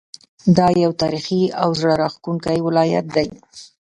دا یو تاریخي او زړه راښکونکی ولایت دی.